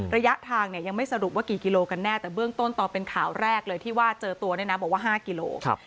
ระยะทางเนี่ยยังไม่สรุปว่ากี่กิโลกันแน่แต่เบื้องต้นตอนเป็นข่าวแรกเลยที่ว่าเจอตัวเนี่ยนะบอกว่า๕กิโล